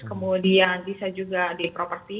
kemudian bisa juga di properti